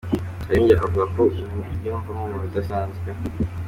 Kanyombya avuga ko kuri ubu yiyumva nk’umuntu udasanzwe.